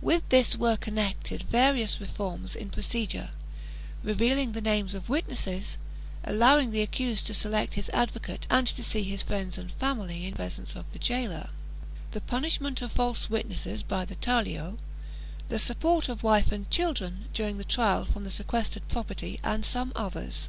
With this were connected various reforms in procedure — reveal ing the names of witnesses, allowing the accused to select his advocate and to see his friends and family in presence of the gaoler, the punishment of false witness by the talio, the support of wife and children during the trial from the sequestrated property and some others.